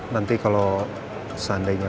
nanti mama yang bawa ke dalem